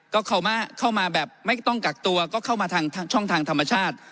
ก็เข้ามาแบบไม่ต้องกักตัวก็เข้ามาทางช่องทางธรรมชาติ